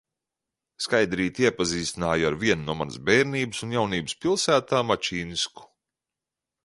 Skaidrīti iepazīstināju ar vienu no manas bērnības un jaunības pilsētām – Ačinsku.